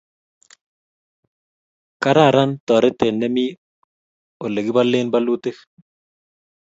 kararan torete nemi ole kibolen bolutik